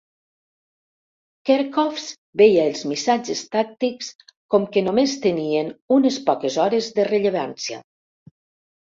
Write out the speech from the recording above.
Kerckhoffs veia els missatges tàctics com que només tenien unes poques hores de rellevància.